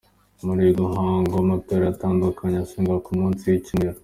Muri uyu muhango hari amatorero atandukanye asenga ku munsi w’icyumweru.